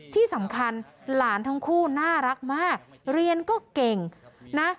ที่สำคัญหลานทั้งคู่น่ารักมากเรียนก็เก่งนะ